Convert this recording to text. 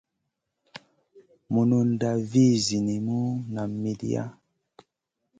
Mununda vih zinimu nam midia.